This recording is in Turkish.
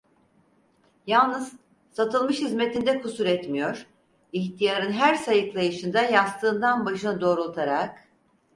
Yalnız Satılmış hizmetinde kusur etmiyor, ihtiyarın her sayıklayışında yastığından başını doğrultarak: